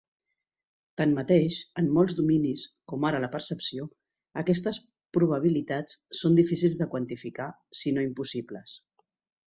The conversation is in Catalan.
Tanmateix, en molts dominis, com ara la percepció, aquestes probabilitats són difícils de quantificar, sinó impossibles.